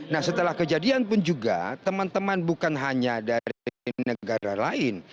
nah setelah kejadian pun juga teman teman bukan hanya dari negara lain